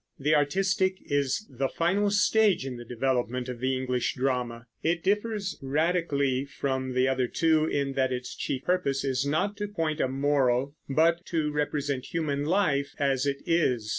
The artistic is the final stage in the development of the English drama. It differs radically from the other two in that its chief purpose is not to point a moral but to represent human life as it is.